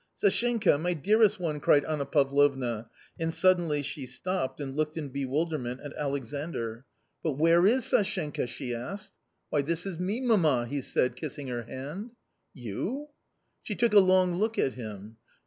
"Sashenka ! my dearest one !" cried Anna Pavlovna, and sud denly she stopped and looked in bewilderment at Alexandr. Q 242 A COMMON STORY " But where is Sashenka ?" she asked. " Why, this is me, mamma," he said, kissing her hand. " You ?" She took a long look at him.